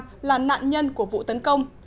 đại sứ quán việt nam là nạn nhân của vụ tấn công